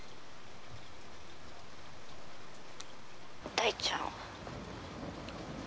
☎大ちゃん？